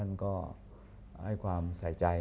อเรนนี่แหละอเรนนี่แหละ